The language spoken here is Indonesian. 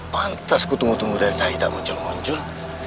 pantas ku tunggu tunggu dari tadi tak muncul muncul